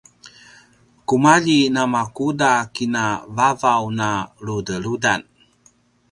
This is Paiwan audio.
kumalji a namakuda kina vavaw na ludeludan